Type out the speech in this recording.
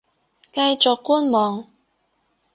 繼續觀望